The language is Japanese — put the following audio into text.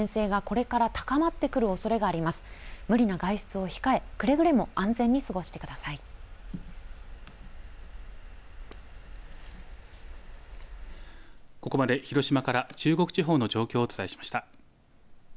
ここまで広島から中国地方の状況をお伝えしました。